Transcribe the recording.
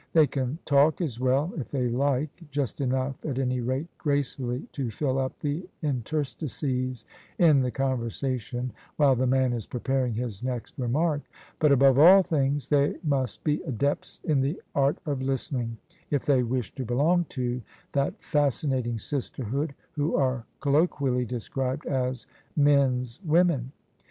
They can talk as well, if they like — just enough at any rate gracefully to fill up the interstices in the conversation while the man is preparing his next remark: but above all things they must be adepts in the art of listening, if they wish to belong to that fascinating sisterhood who are colloquially described as "men's women."